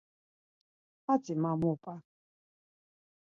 Hatzi ma mup̌a!